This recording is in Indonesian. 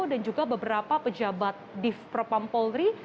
dengan pejabat div propam polri